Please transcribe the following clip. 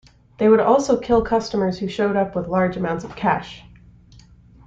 They would also kill customers who showed up with large amounts of cash.